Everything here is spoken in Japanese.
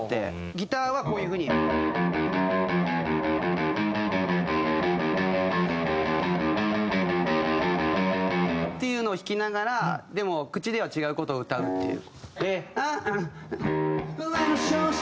ギターはこういう風に。っていうのを弾きながらでも口では違う事を歌うっていう。